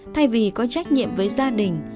thay vì có trách nhiệm với gia đình